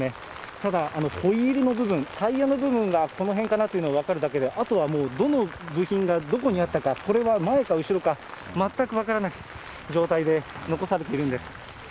ただ、ホイールの部分、タイヤの部分がこの辺かな？というのが分かるだけで、あとはもう、どの部品がどこにあったか、これが前か後か全く分からない状態で、残されているんです。